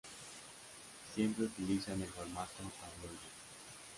Siempre utilizan el formato tabloide.